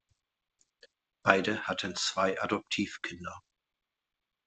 Beide hatten zwei Adoptivkinder.